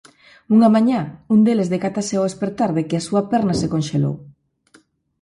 Unha mañá, un deles decátase ao espertar de que a súa perna se conxelou.